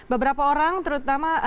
beberapa orang terutama